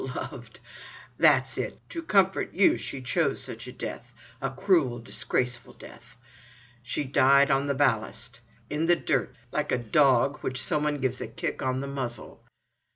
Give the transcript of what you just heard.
"Lo—o—ved! That's it, to comfort you she chose such a death—a cruel, disgraceful death! She died on the ballast, in the dirt——like a d—d—og, to which some one gives a kick on the muzzle."